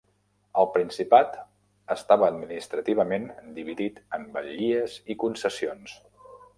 El principat estava administrativament dividit en batllies i concessions.